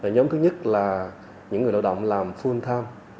nhóm thứ nhất là những người lộ động làm full time